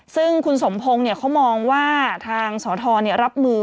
ซึ่งคุณสมพงศ์เขามองว่าทางสทรรับมือ